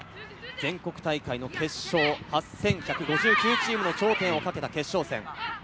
全国大会の決勝、８１５９チームの頂点をかけた決勝戦。